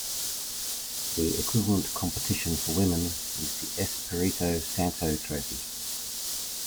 The equivalent competition for women is the Espirito Santo Trophy.